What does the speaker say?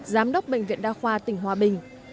giám đốc bệnh viện đa khoa tỉnh hòa bình